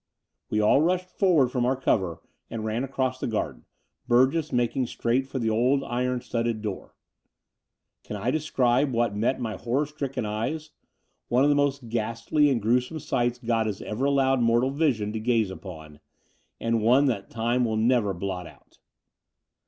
We all rushed forward from our cover and ran across the garden. Burgess making straight for the old iron studded door. Can I describe what met my horror stricken eyes, one of the most ghastly and gruesome sights God has ever allowed mortal vision to gaze upon, and one that time will never blot out?